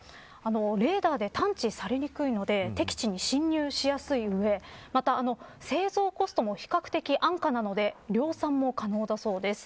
レーダーで探知されにくいので敵地に侵入しやすい上また製造コストも比較的安価なので量産も可能だそうです。